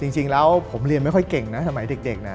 จริงแล้วผมเรียนไม่ค่อยเก่งนะสมัยเด็กนะ